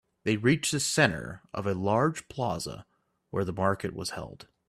They reached the center of a large plaza where the market was held.